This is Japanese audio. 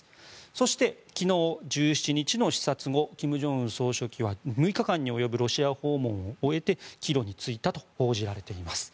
そして、昨日１７日の視察後金正恩総書記は６日間に及ぶロシア訪問を終えて帰路に就いたと報じられています。